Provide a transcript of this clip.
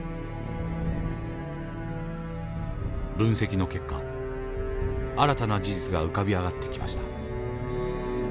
分析の結果新たな事実が浮かび上がってきました。